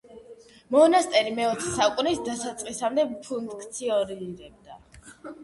მონასტერი მეოცე საუკუნის დასაწყისამდე ფუნქციონირებდა.